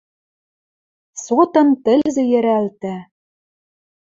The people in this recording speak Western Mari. Сотын тӹлзӹ йӹрӓлтӓ.